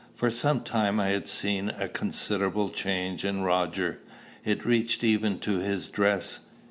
For some time I had seen a considerable change in Roger. It reached even to his dress.